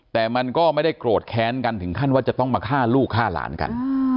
แต่มันก็ไม่ได้โกรธแค้นกันถึงขั้นว่าจะต้องมาฆ่าลูกฆ่าหลานกัน